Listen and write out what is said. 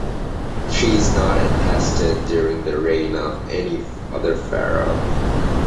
She is not attested during the reign of any other pharaoh.